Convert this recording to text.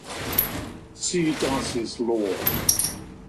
See Darcy's Law.